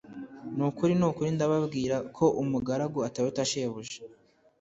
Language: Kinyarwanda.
«ni ukuri ni ukuri ndababwira, ko umugaragu ataruta shebuja.